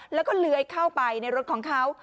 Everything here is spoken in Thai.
แล้วก็เลื้อยเข้าไปในรถของเขา